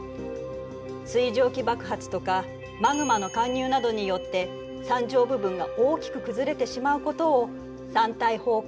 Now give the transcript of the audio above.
水蒸気爆発とかマグマの貫入などによって山頂部分が大きく崩れてしまうことを山体崩壊というのよ。